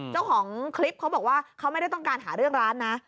เจ้าของคลิปเขาบอกว่าเขาไม่ได้ต้องการหาเรื่องร้านนะ